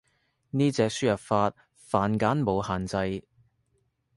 呢隻輸入法繁簡冇限制